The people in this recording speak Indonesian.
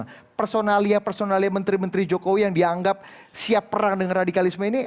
karena personalia personalia menteri menteri jokowi yang dianggap siap perang dengan radikalisme ini